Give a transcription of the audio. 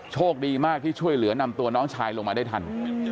โชคดีมากที่ช่วยเหลือนำตัวน้องชายลงมาได้ทัน